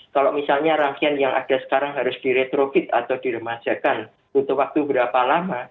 kalau misalnya rangkaian yang ada sekarang harus diretrofit atau diremajakan untuk waktu berapa lama